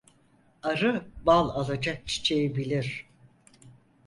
Arı bal alacak çiçeği bilir.